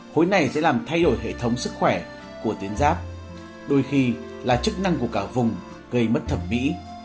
khối này sẽ làm thay đổi hệ thống sức khỏe của tuyến giáp đôi khi là chức năng của cả vùng gây mất thẩm mỹ